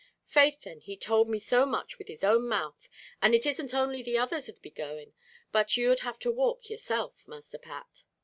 "Faith then, he told me so with his own mouth; and it isn't only the others 'd be going, but you'd have to walk yourself, masther Pat."